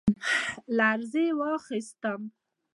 لـړزې واخيسـتم ،